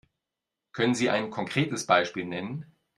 Können Sie ein konkretes Beispiel nennen?